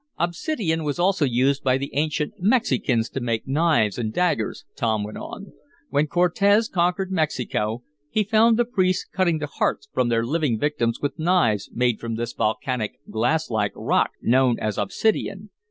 "Obsidian was also used by the ancient Mexicans to make knives and daggers," Tom went on. "When Cortez conquered Mexico he found the priests cutting the hearts from their living victims with knives made from this volcanic glass like rock, known as obsidian.